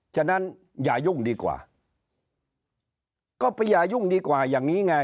ฉะนั้นอย่ายุ่งดีกว่าก็ไปอย่ายุ่งดีกว่าอย่างนี้ไง